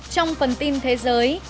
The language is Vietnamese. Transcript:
trong phần tin thế giới